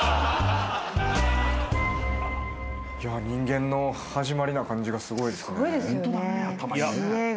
人間の始まりな感じがすごいですね。